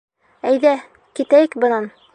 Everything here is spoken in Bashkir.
— Әйҙә, китәйек бынан.